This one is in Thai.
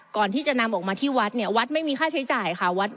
ก่อนที่จะนำออกมาที่วัดเนี่ยวัดไม่มีค่าใช้จ่ายค่ะ